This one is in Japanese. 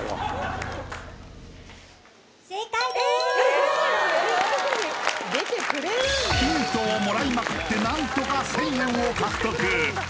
正解でーすヒントをもらいまくって何とか１０００円を獲得